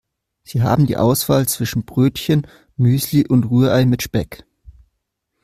Sie haben die Auswahl zwischen Brötchen, Müsli und Rührei mit Speck.